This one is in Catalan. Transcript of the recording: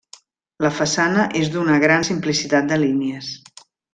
La façana és d'una gran simplicitat de línies.